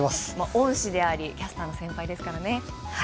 恩師であり、キャスターの先輩ですからね。